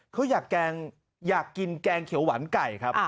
เขาอยากกินแกงเขียวหวานไก่ครับ